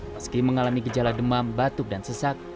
meski mengalami gejala demam batuk dan sesak